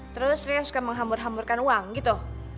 terus dia suka menghambur hamburkan uang gitu